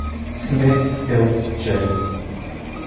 Smith built J.